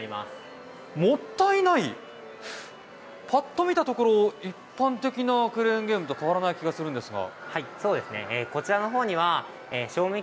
パッと見たところ一般的なクレーンゲームと変わらない気がするんですが。